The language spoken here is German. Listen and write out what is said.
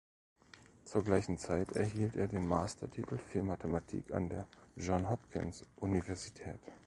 Zur gleichen Zeit erhielt er den Mastertitel für Mathematik an der Johns Hopkins Universität.